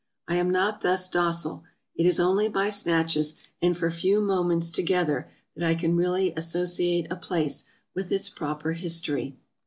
I am not thus docile; it is only by snatches, and for few moments together, that I can really associate a place with its proper history.